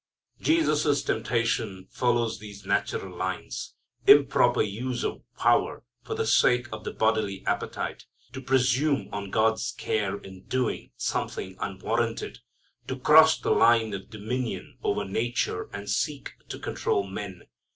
Jesus' temptation follows these natural lines. Improper use of power for the sake of the bodily appetite; to presume on God's care in doing something unwarranted; to cross the line of dominion over nature and seek to control men.